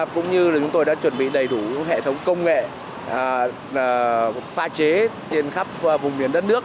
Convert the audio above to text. cũng như là chúng tôi đã chuẩn bị đầy đủ hệ thống công nghệ pha chế trên khắp vùng miền đất nước